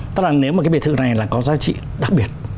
tức là nếu mà cái biệt thự này là có giá trị đặc biệt